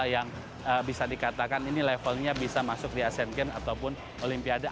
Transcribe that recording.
yang bisa dikatakan ini levelnya bisa masuk di asean games ataupun olimpiade